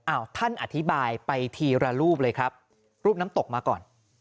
ท่านอธิบายไปทีละรูปเลยครับรูปน้ำตกมาก่อน